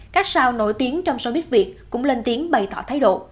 các sao nổi tiếng trong sobit việt cũng lên tiếng bày tỏ thái độ